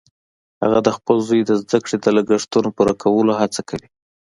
هغه د خپل زوی د زده کړې د لګښتونو پوره کولو هڅه کوي